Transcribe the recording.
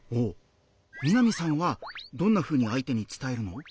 みなみさんはどんなふうに相手に伝えるの？